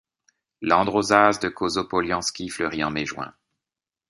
L'androsace de Kozo-Polianski fleurit en mai-juin.